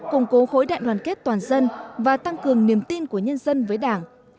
củng cố khối đại đoàn kết toàn dân và tăng cường niềm tin của nhân dân với đảng